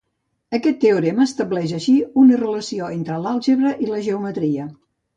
Aquest teorema estableix així una relació entre l'àlgebra i la geometria.